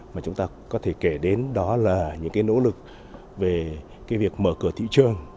mà chúng ta có thể kể đến đó là những cái nỗ lực về cái việc mở cửa thị trường